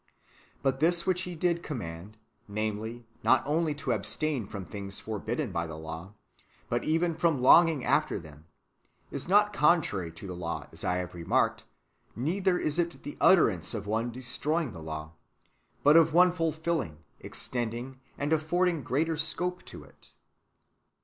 But this which He did command — namely, not only to abstain from things forbidden by the law, but even from longing after them — is not contrary to [tlie law], as I have remarked, neither is it the utterance of one destroying the law, but of one fulfilling, extending, and affording greater scope to it.